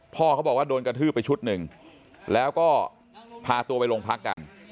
พ่อเขาบอกว่าโดนกระทืบไปชุดหนึ่งแล้วก็พาตัวไปโรงพักกัน